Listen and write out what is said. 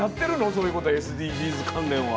そういうことＳＤＧｓ関連は。